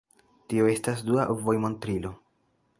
Tio estas dua vojmontrilo.